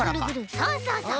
そうそうそう。